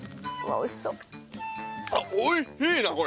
美味しいなこれ！